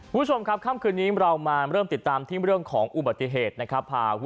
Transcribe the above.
คำคืนนี้เรามาเริ่มติดตามที่เรื่องของอุบัติเหตุ